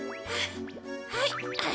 はい。